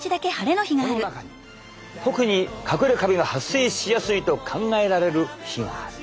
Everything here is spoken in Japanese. この中に特にかくれカビが発生しやすいと考えられる日がある。